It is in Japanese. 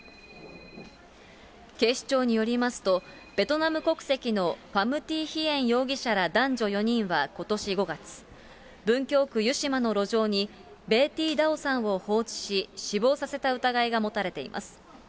警視庁によりますと、ベトナム国籍のファム・ティ・ヒエン容疑者ら男女４人はことし５月、文京区湯島の路上に、ベー・ティ・ダオさんを放置し、死亡させた疑いが持たれています。